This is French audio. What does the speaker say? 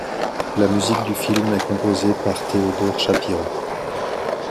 La musique du film est composée par Theodore Shapiro.